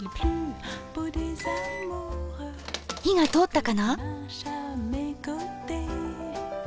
火が通ったかな？